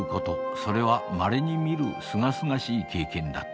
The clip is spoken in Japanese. それはまれに見るすがすがしい経験だった。